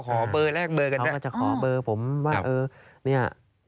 ขอเบอร์ลากเบอร์กันได้